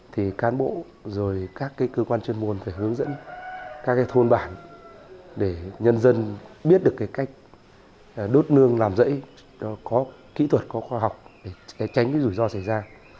các cán bộ các cơ quan chuyên môn phải hướng dẫn các thôn bản để nhân dân biết được cách đốt lương làm rẫy có kỹ thuật có khoa học để tránh rủi ro xảy ra